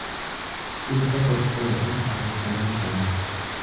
dhibba tokkoo fi afurtamii shan